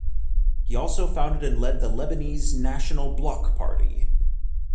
He also founded and led the Lebanese National Bloc party.